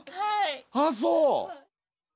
あっそう！